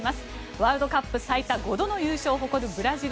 ワールドカップ最多５度の優勝を誇るブラジル。